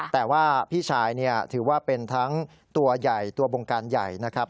แต่ว่าพี่ชายถือว่าเป็นทั้งตัวใหญ่ตัวบงการใหญ่นะครับ